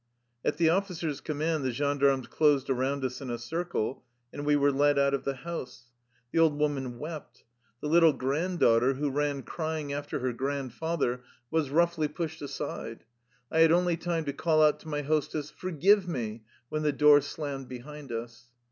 At the officer's command the gendarmes closed around us in a circle and we were led out of the house. The old woman wept. The little grand daughter, who ran crying after her grandfather, 1 R eport. 58 THE LIFE STORY OF A RUSSIAN EXILE was roughly pushed aside. I had only time to call out to my hostess, " Forgive me !'' when the door slammed behind us.